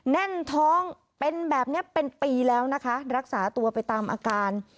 แน่นท้องเป็นแบบนี้เป็นปีแล้วนะคะรักษาตัวไปตามอาการ